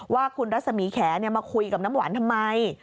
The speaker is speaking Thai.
ว่าคุณรัศมีแขมาคุยกับน้ำหวานทำไม